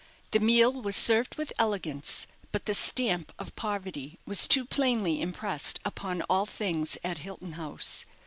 The meal was served with elegance, but the stamp of poverty was too plainly impressed upon all things at Hilton House.